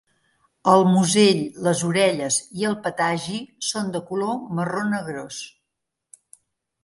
El musell, les orelles i el patagi són de color marró negrós.